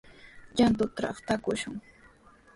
Llantutraw taakushun.